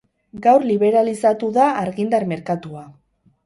Gaur liberalizatu da argindar merkatua.